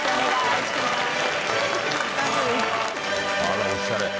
あらおしゃれ。